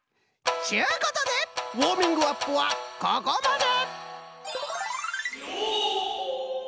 ちゅうことでウォーミングアップはここまで！